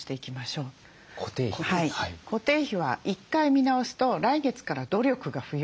固定費は１回見直すと来月から努力が不要なので。